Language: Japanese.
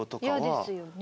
嫌ですよね。